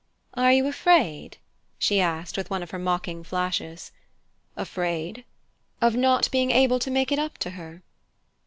"Are you afraid?" she asked with one of her mocking flashes. "Afraid?" "Of not being able to make it up to her